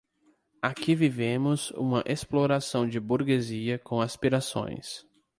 Aqui vivemos uma explosão de burguesia com aspirações.